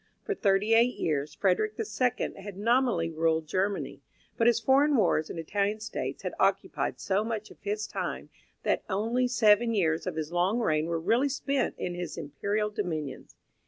For thirty eight years Frederick the Second had nominally ruled Germany, but his foreign wars and Italian States had occupied so much of his time that only seven years of his long reign were really spent in his imperial dominions.